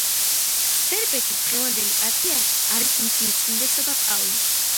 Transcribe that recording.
სერბეთის დღევანდელი პატრიარქი არის მისი უწმინდესობა პავლე.